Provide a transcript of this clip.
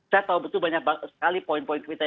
saya tahu betul banyak sekali poin poin kriteri